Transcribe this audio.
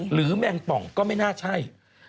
หรือแม่งป๋องก็ไม่น่าใช่